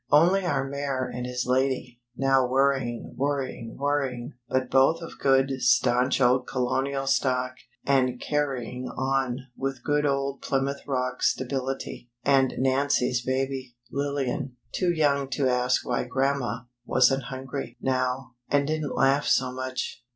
Only our Mayor and his Lady, now worrying, worrying, worrying; but both of good, staunch old Colonial stock; and "carrying on" with good old Plymouth Rock stability; and Nancy's baby, Lillian, too young to ask why Grandma "wasn't hungry," now; and didn't laugh so much.